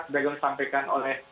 sudah disampaikan oleh